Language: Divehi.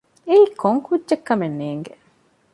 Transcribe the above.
އެއީ ކޮން ކުއްޖެއްކަމެއް ނޭގެ